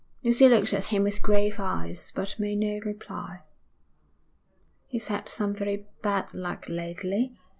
Lucy looked at him with grave eyes, but made no reply. 'He's had some very bad luck lately.